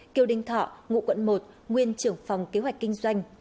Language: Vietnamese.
kiều đinh thọ ngụ quận một nguyên trưởng phòng kế hoạch kinh doanh